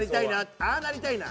「ああなりたいな」。